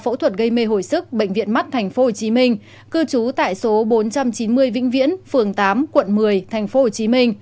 phẫu thuật gây mê hồi sức bệnh viện mắt tp hcm cư trú tại số bốn trăm chín mươi vĩnh viễn phường tám quận một mươi tp hcm